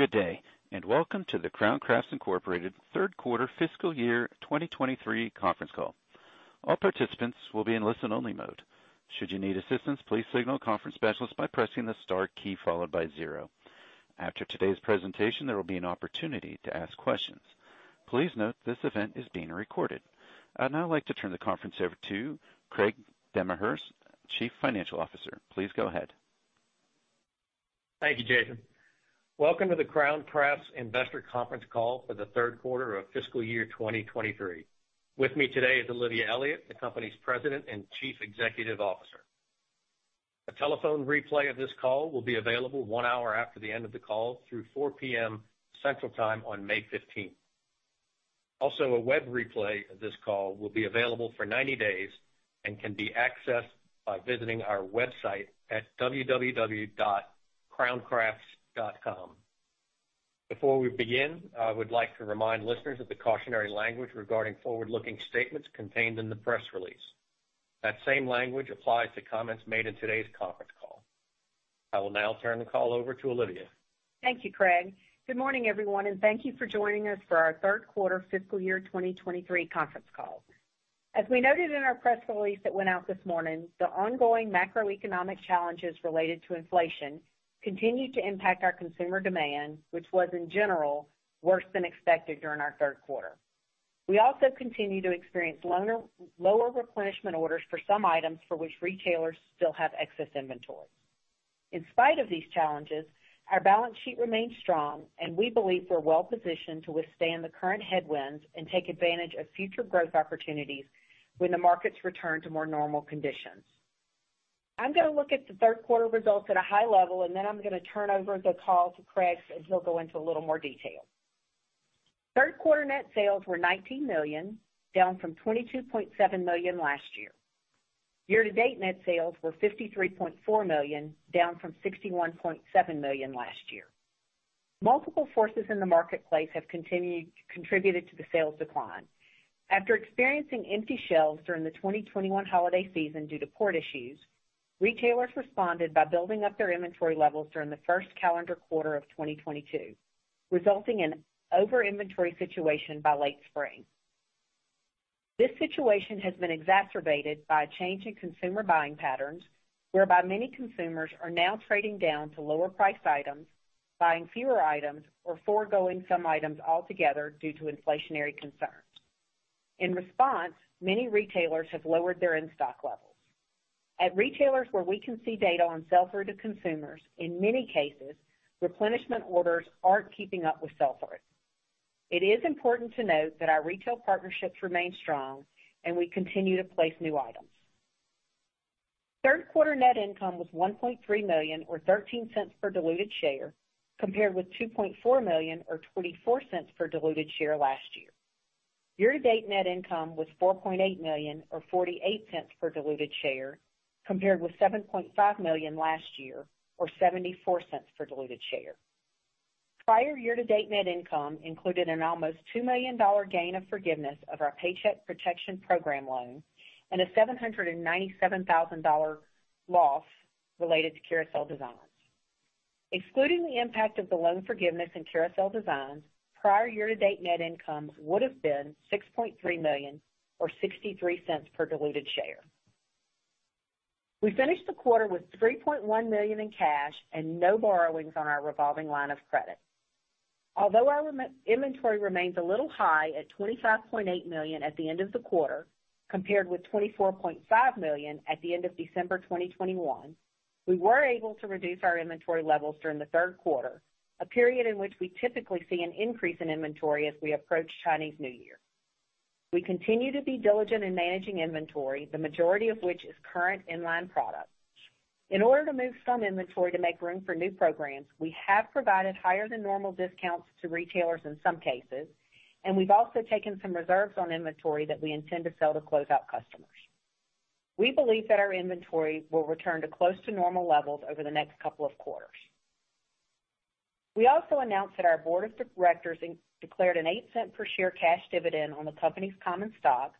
Good day, welcome to the Crown Crafts, Incorporated Third Quarter Fiscal Year 2023 Conference Call. All participants will be in listen-only mode. Should you need assistance, please signal a conference specialist by pressing the Star key followed by 0. After today's presentation, there will be an opportunity to ask questions. Please note this event is being recorded. I'd now like to turn the conference over to Craig Demarest, Chief Financial Officer. Please go ahead. Thank you, Jason. Welcome to the Crown Crafts investor conference call for the third quarter of fiscal year 2023. With me today is Olivia Elliott, the company's President and Chief Executive Officer. A telephone replay of this call will be available 1 hour after the end of the call through 4:00 P.M. Central Time on May 15th. Also, a web replay of this call will be available for 90 days and can be accessed by visiting our website at www.crowncrafts.com. Before we begin, I would like to remind listeners of the cautionary language regarding forward-looking statements contained in the press release. That same language applies to comments made in today's conference call. I will now turn the call over to Olivia. Thank you, Craig. Good morning, everyone. Thank you for joining us for our third quarter fiscal year 2023 conference call. As we noted in our press release that went out this morning, the ongoing macroeconomic challenges related to inflation continued to impact our consumer demand, which was, in general, worse than expected during our third quarter. We also continue to experience lower replenishment orders for some items for which retailers still have excess inventory. In spite of these challenges, our balance sheet remains strong. We believe we're well-positioned to withstand the current headwinds and take advantage of future growth opportunities when the markets return to more normal conditions. I'm gonna look at the third quarter results at a high level. Then I'm gonna turn over the call to Craig as he'll go into a little more detail. Third quarter net sales were $19 million, down from $22.7 million last year. Year-to-date net sales were $53.4 million, down from $61.7 million last year. Multiple forces in the marketplace have contributed to the sales decline. After experiencing empty shelves during the 2021 holiday season due to port issues, retailers responded by building up their inventory levels during the first calendar quarter of 2022, resulting in over-inventory situation by late spring. This situation has been exacerbated by a change in consumer buying patterns, whereby many consumers are now trading down to lower priced items, buying fewer items, or foregoing some items altogether due to inflationary concerns. In response, many retailers have lowered their in-stock levels. At retailers where we can see data on sell-through to consumers, in many cases, replenishment orders aren't keeping up with sell-through. It is important to note that our retail partnerships remain strong and we continue to place new items. Third quarter net income was $1.3 million or $0.13 per diluted share, compared with $2.4 million or $0.24 per diluted share last year. Year-to-date net income was $4.8 million or $0.48 per diluted share, compared with $7.5 million last year or $0.74 per diluted share. Prior year-to-date net income included an almost $2 million gain of forgiveness of our Paycheck Protection Program loan and a $797,000 loss related to Carousel Designs. Excluding the impact of the loan forgiveness in Carousel Designs, prior year-to-date net income would have been $6.3 million or $0.63 per diluted share. We finished the quarter with $3.1 million in cash and no borrowings on our revolving line of credit. Although our inventory remains a little high at $25.8 million at the end of the quarter, compared with $24.5 million at the end of December 2021, we were able to reduce our inventory levels during the third quarter, a period in which we typically see an increase in inventory as we approach Chinese New Year. We continue to be diligent in managing inventory, the majority of which is current inline products. In order to move some inventory to make room for new programs, we have provided higher than normal discounts to retailers in some cases, and we've also taken some reserves on inventory that we intend to sell to closeout customers. We believe that our inventory will return to close to normal levels over the next couple of quarters. We also announced that our board of directors declared an $0.08 per share cash dividend on the company's common stock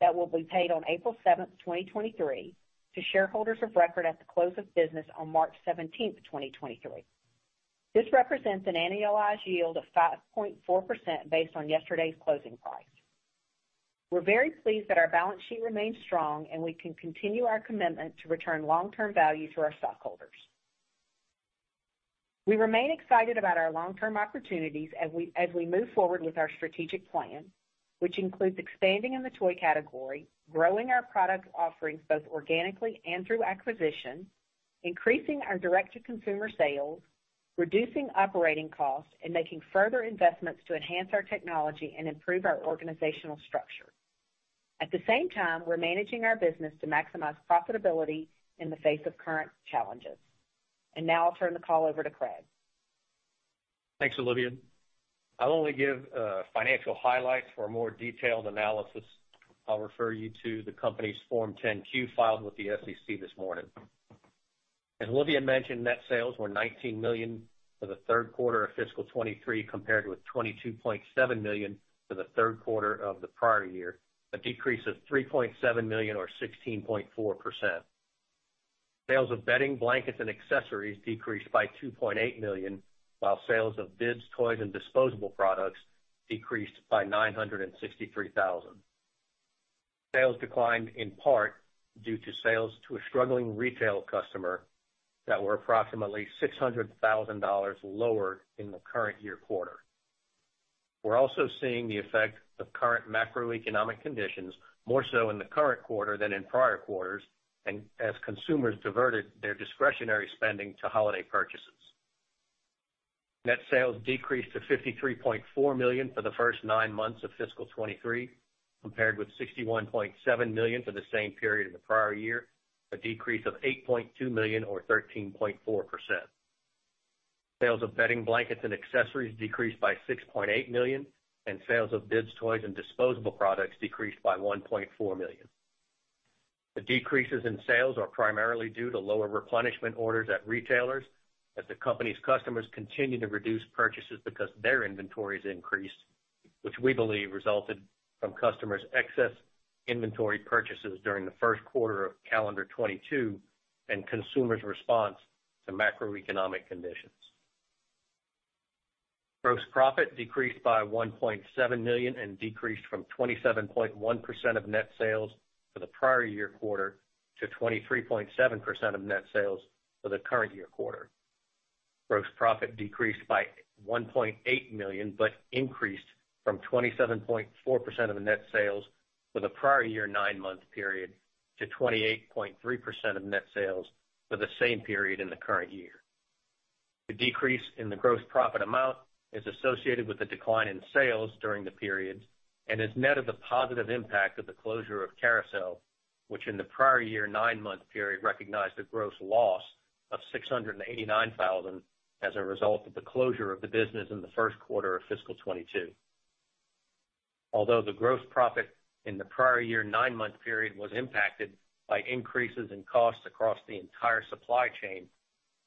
that will be paid on April 7, 2023 to shareholders of record at the close of business on March 17, 2023. This represents an annualized yield of 5.4% based on yesterday's closing price. We're very pleased that our balance sheet remains strong, and we can continue our commitment to return long-term value to our stockholders. We remain excited about our long-term opportunities as we move forward with our strategic plan, which includes expanding in the toy category, growing our product offerings both organically and through acquisition, increasing our direct-to-consumer sales, reducing operating costs, and making further investments to enhance our technology and improve our organizational structure. The same time, we're managing our business to maximize profitability in the face of current challenges. Now I'll turn the call over to Craig Demarest. Thanks, Olivia. I'll only give financial highlights for a more detailed analysis. I'll refer you to the company's Form 10-Q filed with the SEC this morning. As Olivia mentioned, net sales were $19 million for the third quarter of fiscal 2023, compared with $22.7 million for the third quarter of the prior year, a decrease of $3.7 million or 16.4%. Sales of bedding, blankets, and accessories decreased by $2.8 million, while sales of bibs, toys, and disposable products decreased by $963,000. Sales declined in part due to sales to a struggling retail customer that were approximately $600,000 lower in the current year quarter. We're also seeing the effect of current macroeconomic conditions, more so in the current quarter than in prior quarters and as consumers diverted their discretionary spending to holiday purchases. Net sales decreased to $53.4 million for the first 9 months of fiscal 2023, compared with $61.7 million for the same period in the prior year, a decrease of $8.2 million or 13.4%. Sales of bedding, blankets, and accessories decreased by $6.8 million, and sales of bibs, toys, and disposable products decreased by $1.4 million. The decreases in sales are primarily due to lower replenishment orders at retailers as the company's customers continue to reduce purchases because their inventories increased, which we believe resulted from customers' excess inventory purchases during the first quarter of calendar '22 and consumers' response to macroeconomic conditions. Gross profit decreased by $1.7 million and decreased from 27.1% of net sales for the prior year quarter to 23.7% of net sales for the current year quarter. Gross profit decreased by $1.8 million, but increased from 27.4% of the net sales for the prior year nine-month period to 28.3% of net sales for the same period in the current year. The decrease in the gross profit amount is associated with the decline in sales during the periods and is net of the positive impact of the closure of Carousel, which in the prior year nine-month period recognized a gross loss of $689,000 as a result of the closure of the business in the first quarter of fiscal 2022. Although the gross profit in the prior year 9 month period was impacted by increases in costs across the entire supply chain,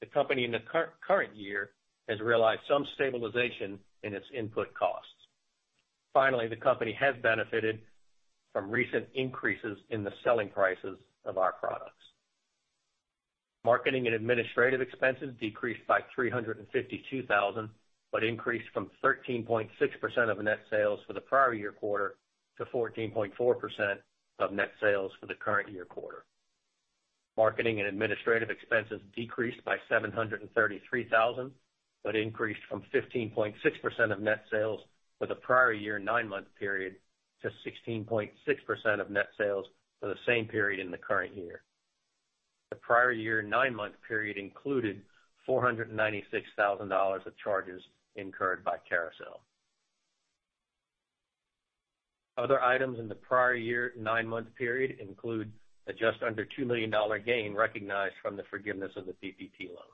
the company in the current year has realized some stabilization in its input costs. Finally, the company has benefited from recent increases in the selling prices of our products. Marketing and administrative expenses decreased by $352,000, but increased from 13.6% of net sales for the prior year quarter to 14.4% of net sales for the current year quarter. Marketing and administrative expenses decreased by $733,000, but increased from 15.6% of net sales for the prior year 9 month period to 16.6% of net sales for the same period in the current year. The prior year 9 month period included $496,000 of charges incurred by Carousel. Other items in the prior year 9 month period include a just under $2 million gain recognized from the forgiveness of the PPP loan.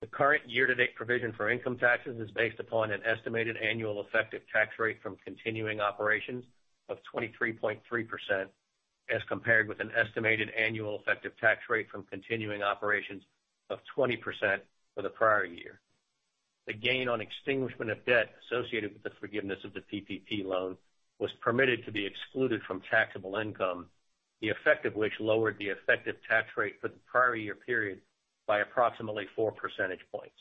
The current year-to-date provision for income taxes is based upon an estimated annual effective tax rate from continuing operations of 23.3%, as compared with an estimated annual effective tax rate from continuing operations of 20% for the prior year. The gain on extinguishment of debt associated with the forgiveness of the PPP loan was permitted to be excluded from taxable income, the effect of which lowered the effective tax rate for the prior year period by approximately 4 percentage points.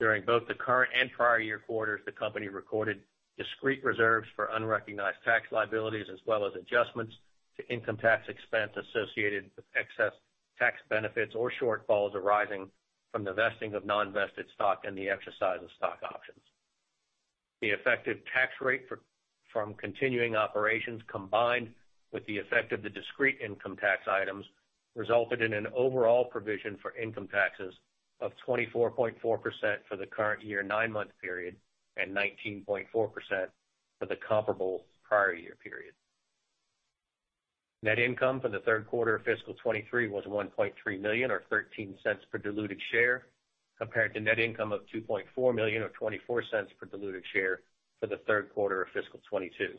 During both the current and prior year quarters, the company recorded discrete reserves for unrecognized tax liabilities, as well as adjustments to income tax expense associated with excess tax benefits or shortfalls arising from the vesting of non-vested stock and the exercise of stock options. The effective tax rate from continuing operations, combined with the effect of the discrete income tax items, resulted in an overall provision for income taxes of 24.4% for the current year nine-month period and 19.4% for the comparable prior year period. Net income for the third quarter of fiscal 2023 was $1.3 million or $0.13 per diluted share, compared to net income of $2.4 million or $0.24 per diluted share for the third quarter of fiscal 2022.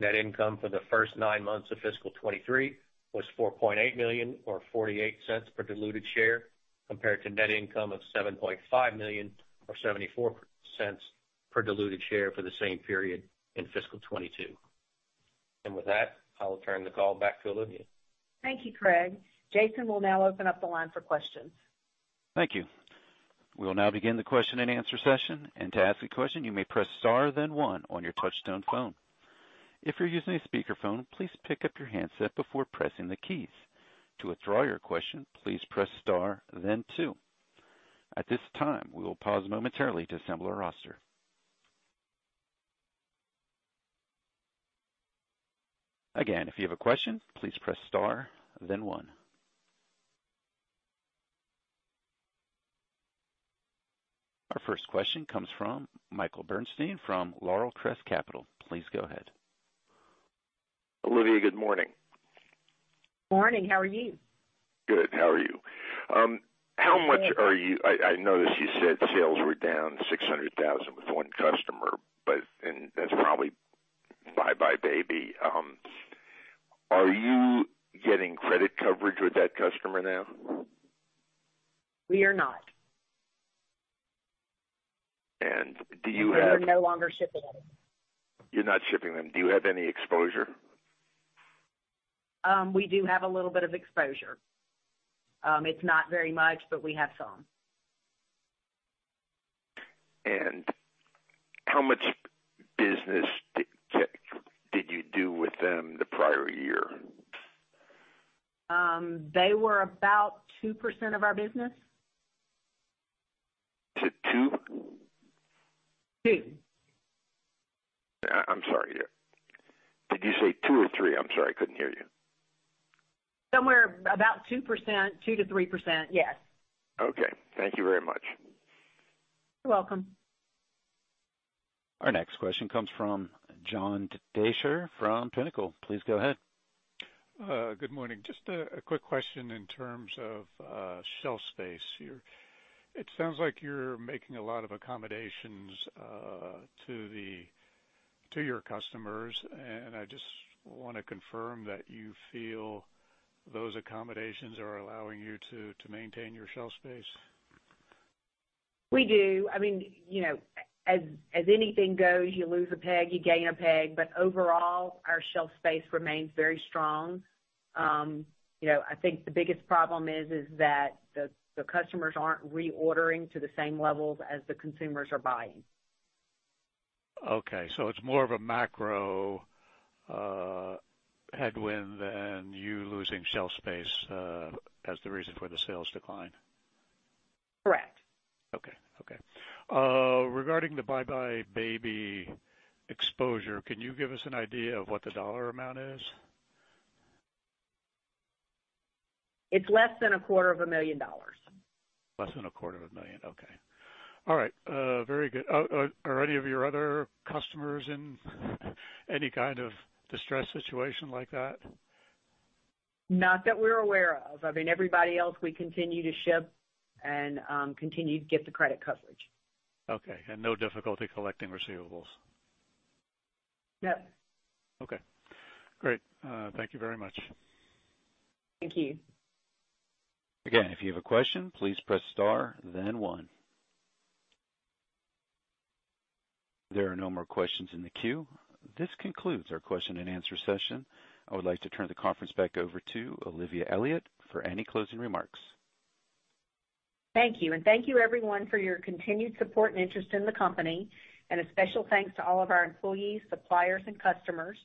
Net income for the first 9 months of fiscal 2023 was $4.8 million or $0.48 per diluted share, compared to net income of $7.5 million or $0.74 per diluted share for the same period in fiscal 2022. With that, I will turn the call back to Olivia. Thank you, Craig. Jason will now open up the line for questions. Thank you. We will now begin the question-and-answer session. To ask a question, you may press Star then 1 on your touchtone phone. If you're using a speakerphone, please pick up your handset before pressing the keys. To withdraw your question, please press Star then 2. At this time, we will pause momentarily to assemble our roster. If you have a question, please press Star then 1. Our first question comes from Michael Bernstein from Laurelcrest Capital. Please go ahead. Olivia, good morning. Morning. How are you? Good. How are you? How much are you I noticed you said sales were down $600,000 with one customer. That's probably buybuy BABY. Are you getting credit coverage with that customer now? We are not. Do you have. We're no longer shipping them. You're not shipping them. Do you have any exposure? We do have a little bit of exposure. It's not very much, but we have some. How much business did you do with them the prior year? They were about 2% of our business. To 2%? 2%. I'm sorry. Did you say two or three? I'm sorry, I couldn't hear you. Somewhere about 2%. 2%-3%. Yes. Okay. Thank you very much. You're welcome. Our next question comes from John Deysher from Pinnacle. Please go ahead. Good morning. Just a quick question in terms of shelf space here. It sounds like you're making a lot of accommodations to your customers. I just wanna confirm that you feel those accommodations are allowing you to maintain your shelf space. We do. I mean, you know, as anything goes, you lose a peg, you gain a peg. Overall, our shelf space remains very strong. You know, I think the biggest problem is that the customers aren't reordering to the same levels as the consumers are buying. Okay, it's more of a macro, headwind than you losing shelf space, as the reason for the sales decline? Correct. Okay. Okay. Regarding the buybuy BABY exposure, can you give us an idea of what the dollar amount is? It's less than a quarter of a million dollars. Less than a quarter of a million. Okay. All right. Very good. Are any of your other customers in any kind of distressed situation like that? Not that we're aware of. I mean, everybody else, we continue to ship and continue to get the credit coverage. Okay, no difficulty collecting receivables? No. Okay, great. Thank you very much. Thank you. If you have a question, please press Star then 1. There are no more questions in the queue. This concludes our question and answer session. I would like to turn the conference back over to Olivia Elliott for any closing remarks. Thank you. Thank you everyone for your continued support and interest in the company. A special thanks to all of our employees, suppliers, and customers.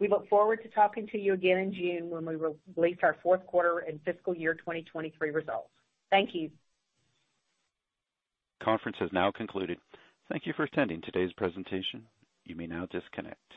We look forward to talking to you again in June when we re-release our fourth quarter and fiscal year 2023 results. Thank you. Conference has now concluded. Thank you for attending today's presentation. You may now disconnect.